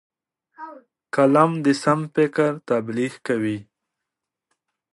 قلم د سم فکر تبلیغ کوي